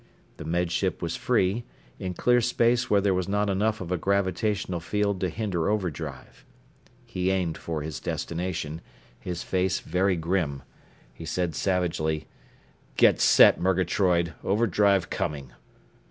The Med Ship was free, in clear space where there was not enough of a gravitational field to hinder overdrive. He aimed for his destination, his face very grim. He said savagely, "Get set, Murgatroyd! Overdrive coming!"